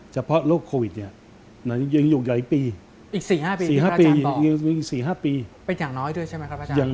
เฉพาะโรคโควิดเนี่ย